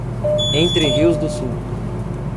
Entre Rios do Sul